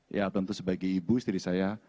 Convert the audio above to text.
ya tentu sebagai ibu istri saya